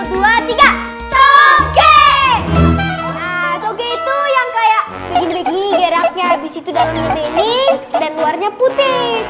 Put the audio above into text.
nah toge itu yang kayak begini begini geraknya abis itu daun ini dan warnanya putih